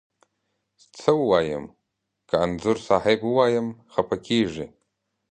څه ووایم، که انځور صاحب ووایم خپه کږې.